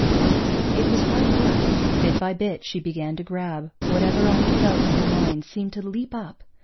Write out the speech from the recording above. It was hard work. Bit by bit she began to grab; whatever I had felt in her mind seemed to leap up.